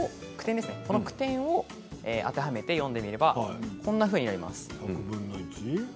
当てはめて読んでみればこんなふうになります。